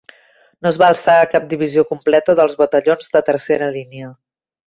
No es va alçar cap divisió completa dels batallons de tercera línia.